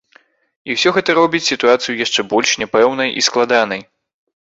І ўсё гэта робіць сітуацыю яшчэ больш няпэўнай і складанай.